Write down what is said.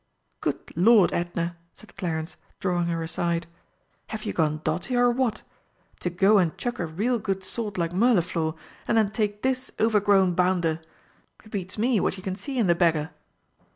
"Good Lord, Edna!" said Clarence, drawing her aside, "have you gone dotty or what? To go and chuck a real good sort like Mirliflor, and then take this overgrown bounder it beats me what you can see in the beggar!"